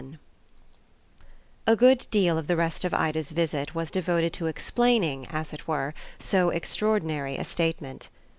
XXI A good deal of the rest of Ida's visit was devoted to explaining, as it were, so extraordinary a statement.